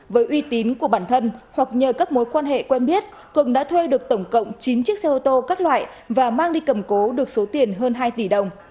với uy tín của bản thân hoặc nhờ các mối quan hệ quen biết cường đã thuê được tổng cộng chín chiếc xe ô tô các loại và mang đi cầm cố được số tiền hơn hai tỷ đồng